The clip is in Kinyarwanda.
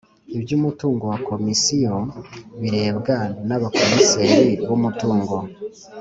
Iby’umutungo wa Komisiyo birebwa n’abakomiseri b’umutungo